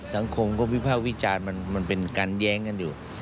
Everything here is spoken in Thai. สังคมก็วิภาควิจารณ์มันเป็นการแย้งกันอยู่